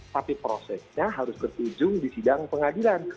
tapi prosesnya harus bertujung di sidang pengadilan